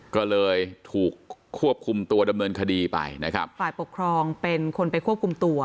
ก็เลยถูกควบคุมตัวดำเนินคดีไปนะครับฝ่ายปกครองเป็นคนไปควบคุมตัว